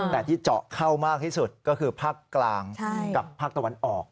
แต่ที่เจาะเข้ามากที่สุดก็คือภาคกลางกับภาคตะวันออก